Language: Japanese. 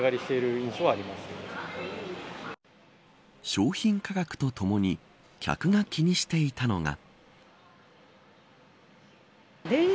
商品価格とともに客が気にしていたのが。